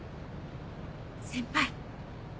先輩。